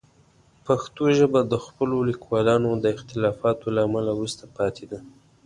پښتو ژبه د خپلو لیکوالانو د اختلافاتو له امله وروسته پاتې ده.